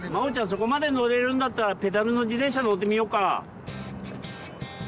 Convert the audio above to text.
そこまで乗れるんだったらペダルの自転車乗ってみようか。